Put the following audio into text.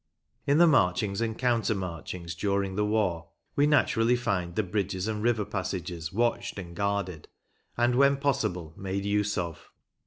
In the marchings and counter marchings during the war we naturally find the bridges and river passages watched and guarded, and, when possible, made use of.